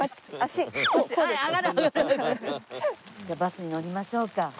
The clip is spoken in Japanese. じゃあバスに乗りましょうか。